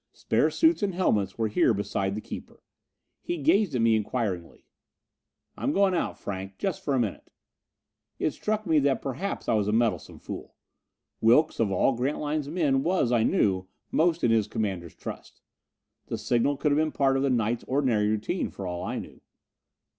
Spare suits and helmets were here beside the keeper. He gazed at me inquiringly. "I'm going out, Franck, just for a minute." It struck me that perhaps I was a meddlesome fool. Wilks, of all Grantline's men, was, I knew, most in his commander's trust. The signal could have been some part of this night's ordinary routine, for all I knew.